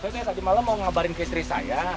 saya tadi malam mau ngabarin ke istri saya